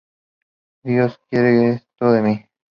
Dios quiere esto de mí.